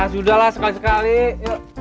sudahlah sekali sekali yuk